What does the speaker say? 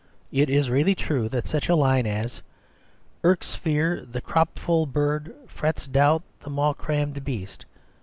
It is really true that such a line as "Irks fear the crop full bird, frets doubt the maw crammed beast?"